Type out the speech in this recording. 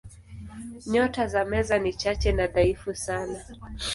Nyota za Meza ni chache na dhaifu sana.